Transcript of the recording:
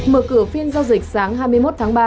mở cửa phiên giao dịch sáng hai mươi một tháng ba